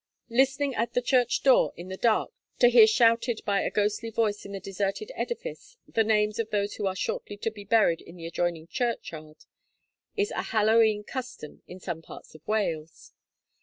Listening at the church door in the dark, to hear shouted by a ghostly voice in the deserted edifice the names of those who are shortly to be buried in the adjoining churchyard, is a Hallow E'en custom in some parts of Wales.